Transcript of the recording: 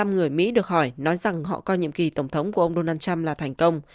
một mươi người mỹ được hỏi nói rằng họ coi nhiệm kỳ tổng thống của ông donald trump là thành công